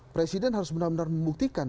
presiden harus benar benar membuktikan